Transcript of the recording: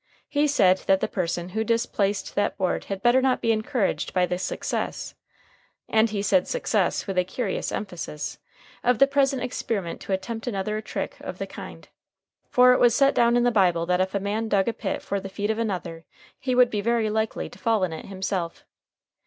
He said that the person who displaced that board had better not be encouraged by the success he said success with a curious emphasis of the present experiment to attempt another trick of the kind. For it was set down in the Bible that if a man dug a pit for the feet of another he would be very likely to fall in it himself.